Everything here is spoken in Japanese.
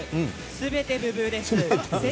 すべてブブーです！